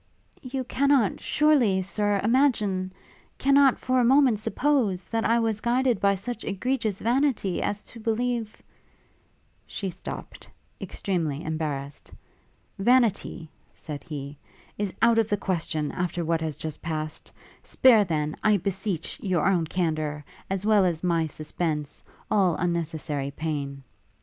'You cannot, surely, Sir, imagine cannot for a moment suppose, that I was guided by such egregious vanity as to believe ' She stopt, extremely embarrassed. 'Vanity,' said he, 'is out of the question, after what has just passed; spare then, I beseech, your own candour, as well as my suspense, all unnecessary pain.'